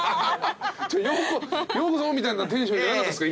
「ようこそ」みたいなテンションじゃなかったですか？